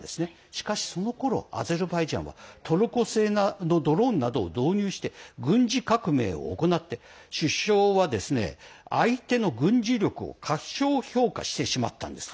しかしその頃アゼルバイジャンはトルコ製のドローンなどを導入して軍事革命を行って首相は相手の軍事力を過小評価してしまったんです。